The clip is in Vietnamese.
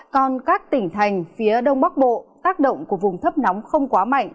còn các tỉnh thành phía đông bắc bộ tác động của vùng thấp nóng không quá mạnh